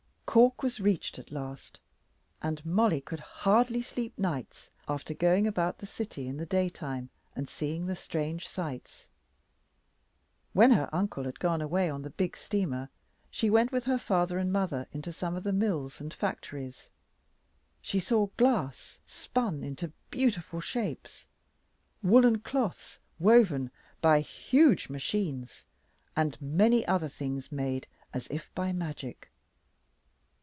Cork was reached at last, and Mollie could hardly sleep nights after going about the city in the daytime and seeing the strange sights. When her uncle had gone away on the big steamer, she went with her father and mother into some of the mills and factories. She saw glass spun into beautiful shapes, woollen cloths woven by huge machines, and many other things made as if by magic.